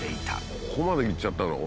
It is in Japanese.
ここまでいっちゃったの？